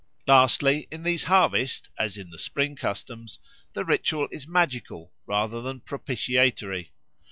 Lastly, in these harvests, as in the spring customs, the ritual is magical rather than propitiatory.